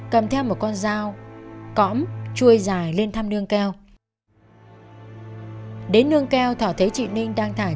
cảm ơn các bạn đã theo dõi và hẹn gặp lại